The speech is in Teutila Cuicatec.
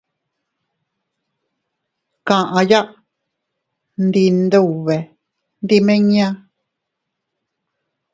Kaʼya ndi Iyndube, ndimiña.